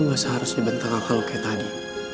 lu gak seharusnya benteng kakak lu kayak tadi